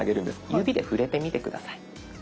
指で触れてみて下さい。